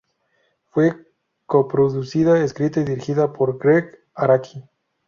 Fue coproducida, escrita y dirigida por Gregg Araki.